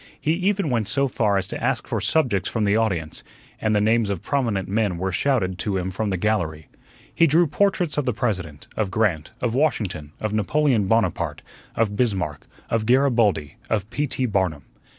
He even went so far as to ask for subjects from the audience, and the names of prominent men were shouted to him from the gallery. He drew portraits of the President, of Grant, of Washington, of Napoleon Bonaparte, of Bismarck, of Garibaldi, of P. T. Barnum.